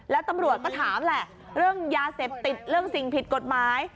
แล้วตำรวจก็ถามแหละเรื่องยาเสพติดเรื่องสิ่งผิดกฎหมาย